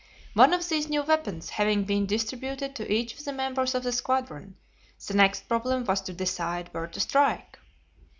One of these new weapons having been distributed to each of the members of the squadron, the next problem was to decide where to strike.